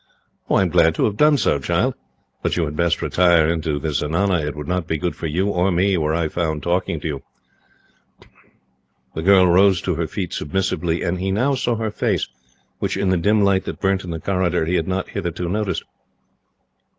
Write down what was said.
"I am glad to have done so, child. But you had best retire into the zenana. It would not be good for you, or me, were I found talking to you." The girl rose to her feet submissively, and he now saw her face, which, in the dim light that burnt in the corridor, he had not hitherto noticed.